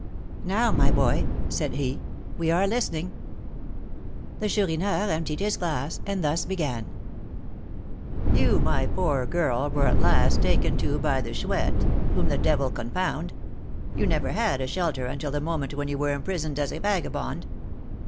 "Now, my boy," said he, "we are listening." The Chourineur emptied his glass, and thus began: "You, my poor girl, were at last taken to by the Chouette, whom the devil confound! You never had a shelter until the moment when you were imprisoned as a vagabond.